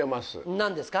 何ですか？